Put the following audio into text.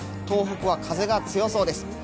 東北は風が強そうです。